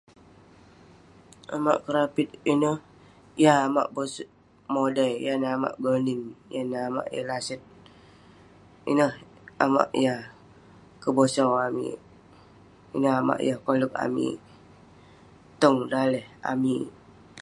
Amak kerapit ineh yah amak bose- modai, yan neh amak gonin, yan neh amak yeng laset. Ineh amak yah kebosau amik. Ineh amak yah koleq amik, tong daleh amik.